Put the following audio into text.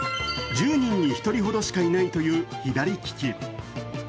１０人に１人ほどしかいないという左利き。